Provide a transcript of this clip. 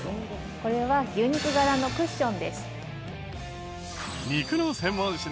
これは牛肉柄のクッションです。